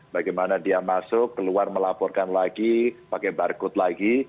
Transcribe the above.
bagaimana dia masuk keluar melaporkan lagi pakai barcode lagi